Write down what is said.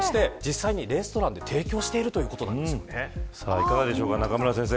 いかがでしょうか中村先生